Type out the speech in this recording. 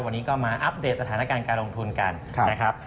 วันนี้ก็มาอัปเดตสถานการณ์การลงทุนกันนะครับ